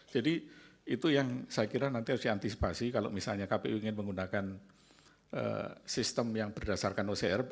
jadi itu yang saya kira nanti harus diantisipasi kalau misalnya kpu ingin menggunakan sistem yang berdasarkan ocr